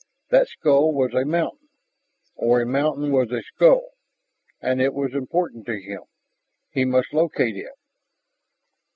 That skull was a mountain, or a mountain was a skull and it was important to him; he must locate it!